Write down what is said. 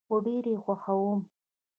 هو، ډیر یی خوښوم